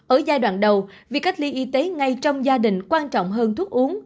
ở giai đoạn đầu việc cách ly y tế ngay trong gia đình quan trọng hơn thuốc uống